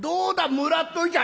もらっといちゃ」。